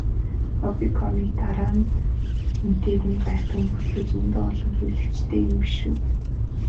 Мобикомыг дандаа л үнэтэйг нь гайхдаг мөртөө зөндөө л олон хэрэглэгчтэй юм биш үү?